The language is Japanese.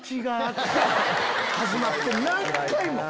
何回も！